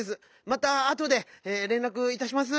またあとでれんらくいたします。